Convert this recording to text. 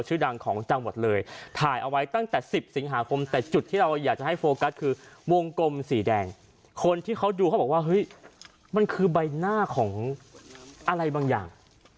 ชื่อดังของจังหวัดเลยถ่ายเอาไว้ตั้งแต่สิบสิงหาคมแต่จุดที่เราอยากจะให้โฟกัสคือวงกลมสีแดงคนที่เขาดูเขาบอกว่าเฮ้ยมันคือใบหน้าของอะไรบางอย่าง